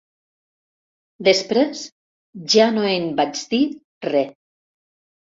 Després ja no en vaig dir re.